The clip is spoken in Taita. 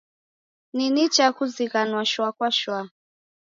Ni nicha kuzighanwa shwa kwa shwa.